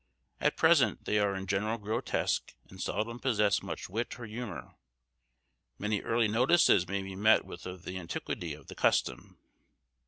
At present they are in general grotesque, and seldom possess much wit or humour. Many early notices may be met with of the antiquity of the custom.